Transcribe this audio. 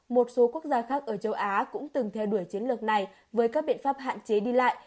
một số quốc gia khác ở châu á cũng từng theo đuổi chiến lược này với các biện pháp hạn chế đi lại